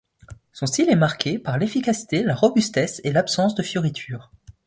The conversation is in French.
Son style est marqué par l’efficacité, la robustesse et l’absence de fioritures.